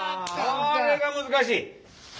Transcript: これが難しい！